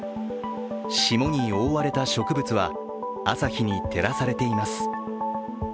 霜に覆われた植物は朝日に照らされています。